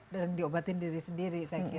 dan diobatin diri sendiri